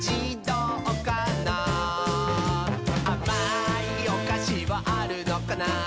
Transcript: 「あまいおかしはあるのかな？」